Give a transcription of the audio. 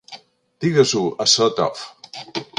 Digues-ho a Sod Off!